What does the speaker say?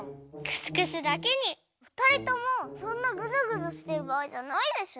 ふたりともそんなグズグズしてるばあいじゃないでしょ。